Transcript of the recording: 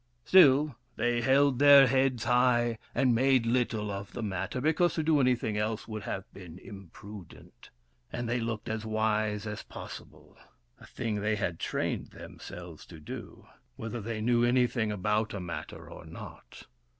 Still they held their heads high, and made little of the matter, because to do anything else would have been imprudent : and they looked as wise as possible — a thing they had trained themselves to do, whether they knew anything about a matter or not.